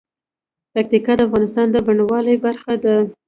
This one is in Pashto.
پکتیکا د افغانستان د بڼوالۍ برخه ده.